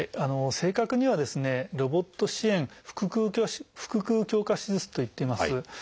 正確には「ロボット支援腹腔鏡下手術」といっています。